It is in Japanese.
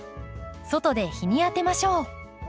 外で日に当てましょう。